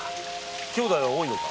兄弟は多いのか？